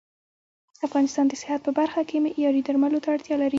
افغانستان د صحت په برخه کې معياري درملو ته اړتيا لري